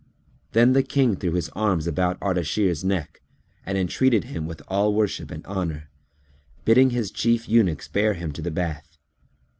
Then the King threw his arms about Ardashir's neck and entreated him with all worship and honour, bidding his chief eunuchs bear him to the bath.